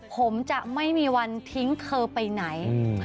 ผมจะไม่มีวันทิ้งเธอไปไหน